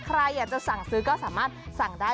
ใครอยากจะสั่งซื้อก็สามารถสั่งได้